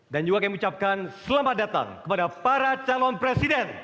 dan juga saya mengucapkan selamat datang kepada para calon presiden